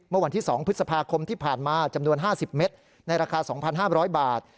เมื่อวันที่๒พฤษภาคมที่ผ่านมาจำนวน๕๐เมตรในราคา๒๕๐๐บาท